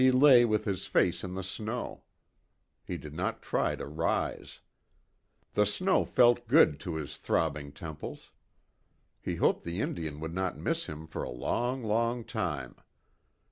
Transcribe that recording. He lay with his face in the snow. He did not try to rise. The snow felt good to his throbbing temples. He hoped the Indian would not miss him for a long, long time.